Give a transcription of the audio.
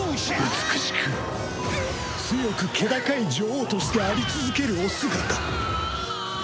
美しく強く気高い女王としてあり続けるお姿。